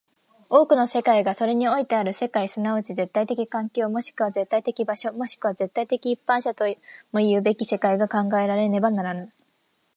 多くの世界がそれにおいてある世界即ち絶対的環境、もしくは絶対的場所、もしくは絶対的一般者ともいうべき世界が考えられねばならぬ。